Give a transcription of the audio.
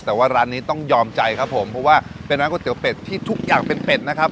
แต่ว่าร้านนี้ต้องยอมใจครับผมเพราะว่าเป็นร้านก๋วเป็ดที่ทุกอย่างเป็นเป็ดนะครับ